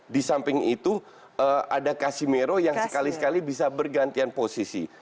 disamping itu ada casimiro yang sekali sekali bisa bergantian posisi